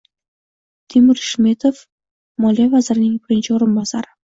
Timur Ishmetov, Moliya vazirining birinchi o'rinbosari: